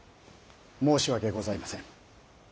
申し訳ございませぬ。